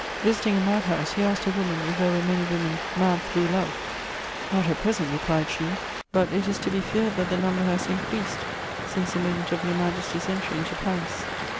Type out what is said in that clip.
Visiting a mad house, he asked a woman if there were many women "mad through love": "Not at present," replied she; "but it is to be feared that the number has increased since the moment of Your Majesty's entry into Paris."